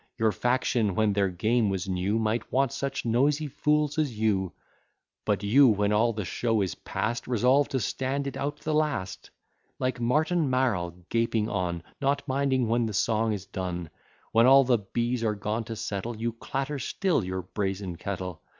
Your faction, when their game was new, Might want such noisy fools as you; But you, when all the show is past, Resolve to stand it out the last; Like Martin Marall, gaping on, Not minding when the song is done. When all the bees are gone to settle, You clatter still your brazen kettle.